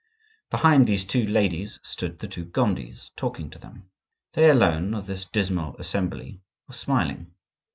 Behind these two ladies stood the two Gondis, talking to them. They alone of this dismal assembly were smiling.